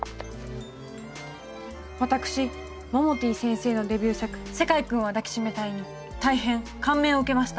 私モモティ先生のデビュー作「世界くんは抱きしめたい」に大変感銘を受けました。